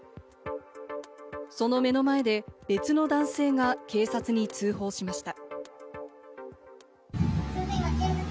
その目の前で別の男性が警察に通報しました。